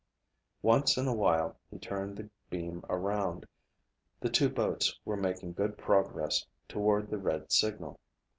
Once in a while he turned the beam around. The two boats were making good progress toward the red signal.